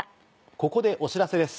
ここでお知らせです。